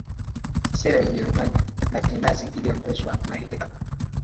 sera ya ujerumani ya kinazi iliongozwa na hitler